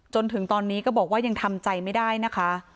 จนถึงตอนนี้ก็บอกว่ายังทำใจไม่ได้นะคะ